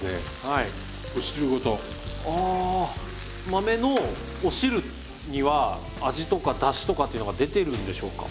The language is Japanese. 豆のお汁には味とかだしとかっていうのが出てるんでしょうか？